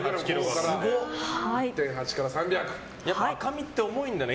赤身って重いんだね。